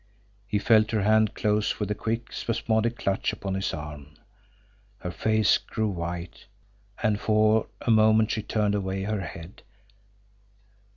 He felt her hand close with a quick, spasmodic clutch upon his arm; her face grew white and for a moment she turned away her head.